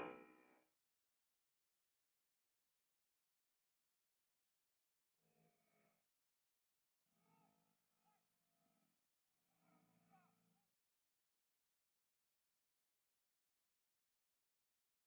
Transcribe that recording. semua orang awas tuh